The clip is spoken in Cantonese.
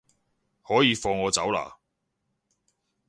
可以放我走喇